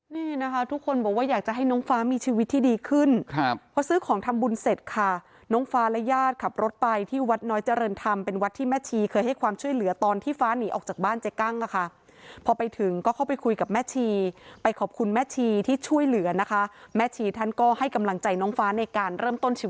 นี่นะคะทุกคนบอกว่าอยากจะให้น้องฟ้ามีชีวิตที่ดีขึ้นครับเพราะซื้อของทำบุญเสร็จค่ะน้องฟ้าและญาติขับรถไปที่วัดน้อยเจริญธรรมเป็นวัดที่แม่ชีเคยให้ความช่วยเหลือตอนที่ฟ้าหนีออกจากบ้านเจ๊กั้งค่ะพอไปถึงก็เข้าไปคุยกับแม่ชีไปขอบคุณแม่ชีที่ช่วยเหลือนะคะแม่ชีท่านก็ให้กำลังใจน้องฟ้าในการเริ่มต้นชีวิต